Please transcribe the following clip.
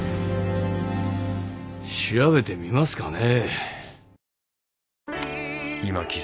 調べてみますかね。